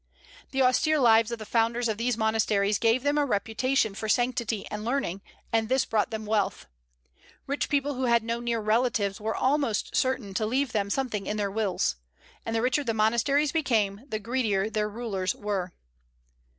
The austere lives of the founders of these monasteries gave them a reputation for sanctity and learning, and this brought them wealth. Rich people who had no near relatives were almost certain to leave them something in their wills. And the richer the monasteries became, the greedier their rulers were.